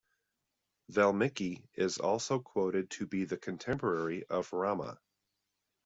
Valmiki is also quoted to be the contemporary of Rama.